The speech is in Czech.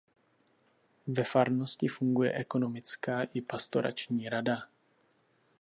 Ve farnosti funguje ekonomická i pastorační rada.